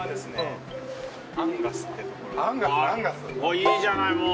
いいじゃないもう。